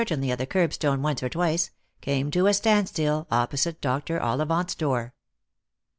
tainly at the kerbstone once or twice, came to a standstill op posite Dr. Ollivant's door.